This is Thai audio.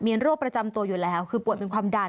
มีโรคประจำตัวอยู่แล้วคือป่วยเป็นความดัน